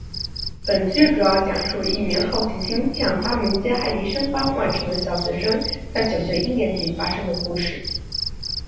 本剧主要讲述一名好奇心像发明家爱迪生般旺盛的小学生在小学一年级发生的故事。